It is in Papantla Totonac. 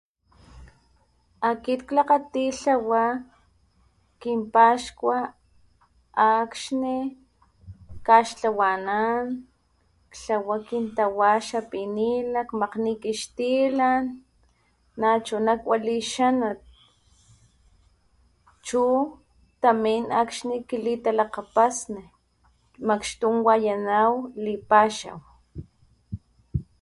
Akit klakgati tlawa kinpaxkua akxni kaxtlawanan klawa kin tawa xapinila kmakgni kixtilan nachuna kuali kixanat chu tamin akxni kilitalakgapasni makxtun wayanaw lipaxaw.